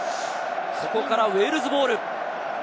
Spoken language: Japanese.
ここからウェールズボール。